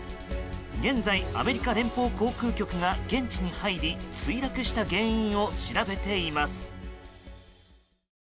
現在、アメリカ連邦航空局が現地に入り墜落した原因を調べています。